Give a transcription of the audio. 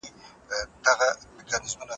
د نرخونو کنټرول د حکومت دنده ده.